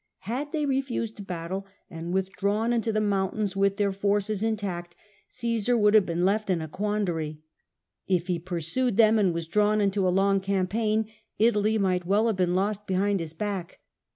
Had they refused battle,, and withdrawn into the mountains with their forces intact, Osesar would have been left in a quandary. If he pursued them and was drawn into a long campaign, Italy might well have been lost behind his back.